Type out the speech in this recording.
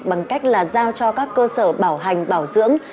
bằng cách là giao cho các cơ sở bảo hành bảo dưỡng